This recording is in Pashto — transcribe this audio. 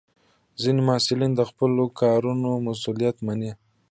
ځینې محصلین د خپلو کارونو مسؤلیت مني.